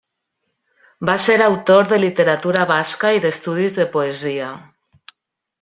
Va ser autor de literatura basca i d'estudis de poesia.